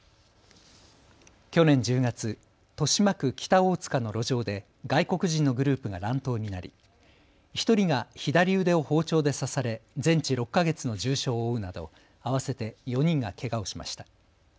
去年１０月、豊島区北大塚の路上で外国人のグループが乱闘になり１人が左腕を包丁で刺され、全治６か月の重傷を負うなど合わせて４人がけがをしました。